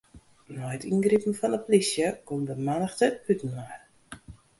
Nei it yngripen fan 'e plysje gong de mannichte útinoar.